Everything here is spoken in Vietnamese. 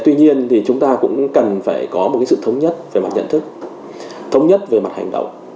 tuy nhiên thì chúng ta cũng cần phải có một sự thống nhất về mặt nhận thức thống nhất về mặt hành động